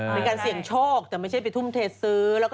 เป็นการเสี่ยงโชคแต่ไม่ใช่ไปทุ่มเทซื้อ